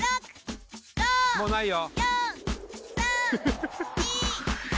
もうないよ